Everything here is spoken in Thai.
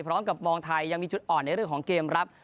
พร้อมกับมองไทยยังมีจุดอ่อนในเรื่องของเกมรับ